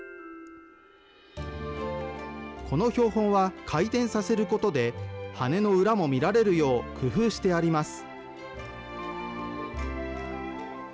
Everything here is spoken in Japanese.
この標本は、回転させることで、羽の裏も見られるよう工夫してあります。